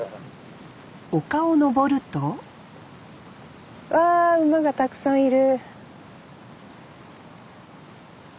丘をのぼるとうわ馬がたくさんいる。